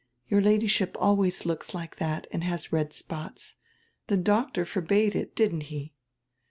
Your Ladyship always looks like that and has red spots. The doctor forbade it, didn't he?"